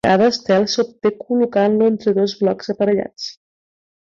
Cada estel s'obté col·locant-lo entre dos blocs aparellats.